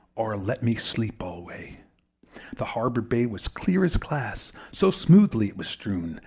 Or let me sleep alway. The harbour bay was clear as glass, So smoothly it was strewn!